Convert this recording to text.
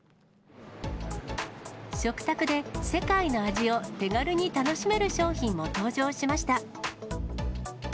食卓で世界の味を手軽に楽しめる商品も登場しました。